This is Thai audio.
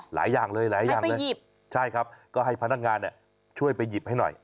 หลายอย่างเลยใช่ครับก็ให้พนักงานช่วยไปหยิบให้หน่อย